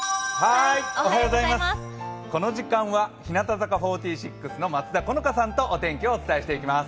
この時間は日向坂４６の松田好花さんとお天気をお伝えしていきます。